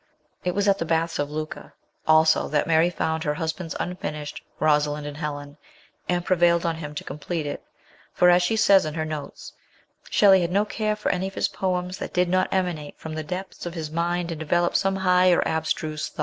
It was at the baths of Lucca also that Mary found her husband's unfinished Rosalind and Helen, and prevailed on him to complete it, for, as she says in her notes, " Shelley had no care for any of his poems that did not emanate from the depths of his mind and develop some high or abstruse truth."